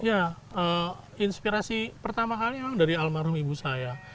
ya inspirasi pertama kali memang dari almarhum ibu saya